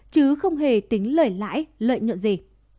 chứ không hề tính lợi lãi lợi nhuận gì